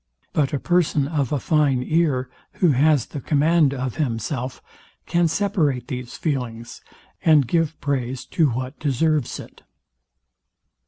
But a person of a fine ear, who has the command of himself, can separate these feelings, and give praise to what deserves it.